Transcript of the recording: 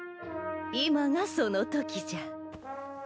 今がそのときじゃ。